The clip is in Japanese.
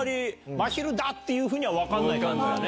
まひるだっていうふうには分かんないね。